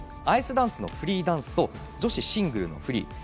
アイスダンスのフリーダンスと女子シングルのフリー。